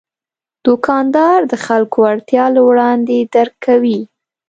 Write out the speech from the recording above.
دوکاندار د خلکو اړتیا له وړاندې درک کوي.